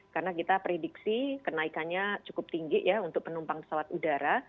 karena kita prediksi kenaikannya cukup tinggi ya untuk penumpang pesawat udara